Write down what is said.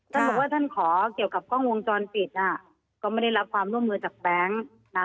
ท่านบอกว่าท่านขอเกี่ยวกับกล้องวงจรปิดก็ไม่ได้รับความร่วมมือจากแบงค์นะ